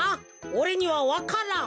おれにはわからん。